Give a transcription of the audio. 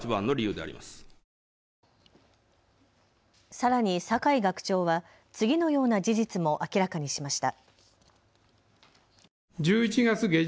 さらに酒井学長は次のような事実も明らかにしました。